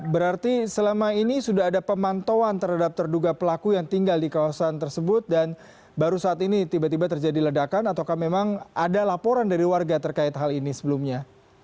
berarti selama ini sudah ada pemantauan terhadap terduga pelaku yang tinggal di kawasan tersebut dan baru saat ini tiba tiba terjadi ledakan ataukah memang ada laporan dari warga terkait hal ini sebelumnya